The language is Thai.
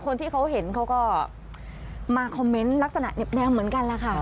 คนที่เขาเห็นเขาก็มาคอมเมนต์ลักษณะเหน็บแนวเหมือนกันล่ะค่ะ